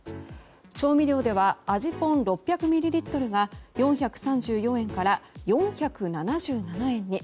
調味料では味ぽん６００ミリリットルが４３４円から４７７円に。